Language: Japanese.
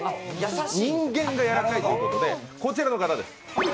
人間がやわらかいということでこちらの方です。